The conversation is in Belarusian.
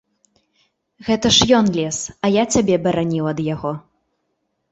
Гэта ж ён лез, а я цябе бараніў ад яго.